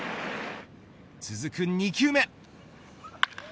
続く２球目。